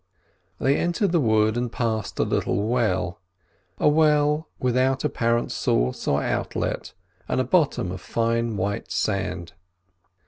They entered the wood and passed a little well, a well without apparent source or outlet and a bottom of fine white sand.